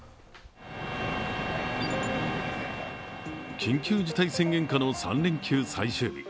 緊急事態宣言下の３連休最終日。